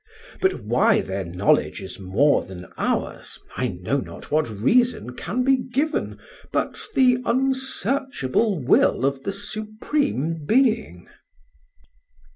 But why their knowledge is more than ours I know not what reason can be given but the unsearchable will of the Supreme Being."